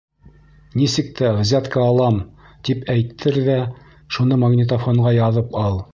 Нисек тә взятка алам, тип әйттер ҙә, шуны магнитофонға яҙып ал.